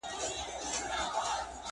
مار زخمي سو له دهقان سره دښمن سو.!